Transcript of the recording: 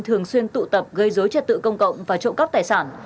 thường xuyên tụ tập gây dối trật tự công cộng và trộm cắp tài sản